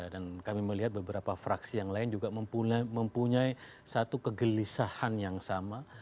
dan kami melihat beberapa fraksi yang lain juga mempunyai satu kegelisahan yang sama